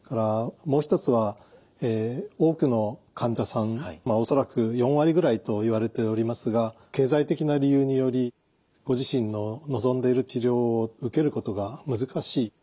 もう一つは多くの患者さん恐らく４割ぐらいといわれておりますが経済的な理由によりご自身の望んでいる治療を受けることが難しい。